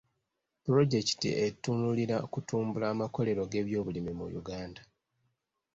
Pulojekiti etunuulira kutumbula makolero g'ebyobulimi mu Uganda.